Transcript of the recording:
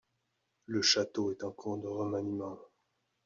Le château est en cours de remaniement.